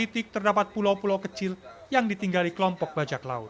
di titik terdapat pulau pulau kecil yang ditinggali kelompok bajak laut